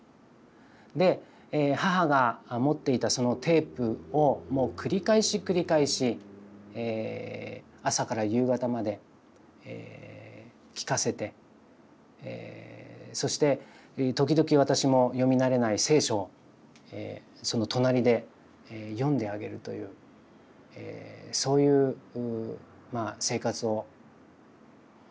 で母が持っていたそのテープをもう繰り返し繰り返し朝から夕方まで聴かせてそして時々私も読み慣れない聖書をその隣で読んであげるというそういう生活を日課としていました。